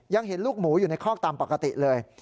ยังเห็นลูกหมูอยู่ในคอกตามปกติเลย